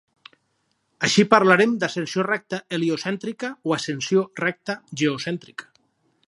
Així parlarem d'ascensió recta heliocèntrica o ascensió recta geocèntrica.